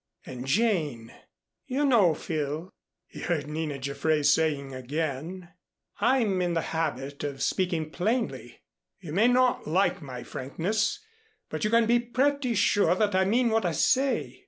And Jane "You know, Phil," he heard Nina Jaffray saying again, "I'm in the habit of speaking plainly, you may not like my frankness, but you can be pretty sure that I mean what I say.